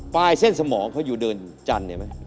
ปลายเส้นสมองเค้าอยู่เดินจันทร์เห็นไหม